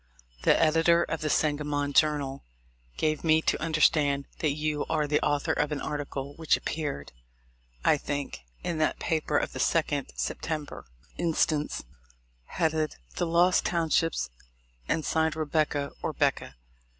The editor of the Sangamon Journal gave me to understand that you are the author of an article which appeared, I think, in that paper of the 2d September inst, headed "The Lost Townships" and signed Rebecca or 'Becca.